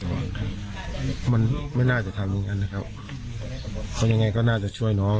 ตอนนี้มันไม่น่าจะทำอย่างงั้นนะครับเป็นไงก็น่าจะช่วยน้อง